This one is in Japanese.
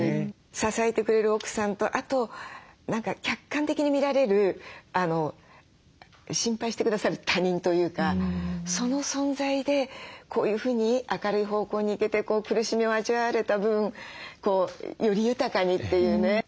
支えてくれる奥さんとあと客観的に見られる心配して下さる他人というかその存在でこういうふうに明るい方向に行けて苦しみを味わわれた分より豊かにっていうね。